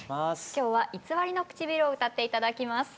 今日は「偽りのくちびる」を歌って頂きます。